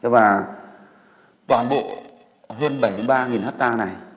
và toàn bộ hơn bảy mươi ba ha này